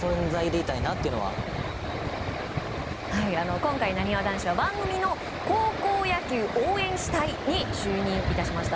今回、なにわ男子は番組の高校野球応援し隊に就任致しました。